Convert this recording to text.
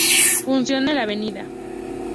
Funciona en la Av.